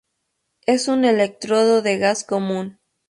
Es un electrodo de gas común.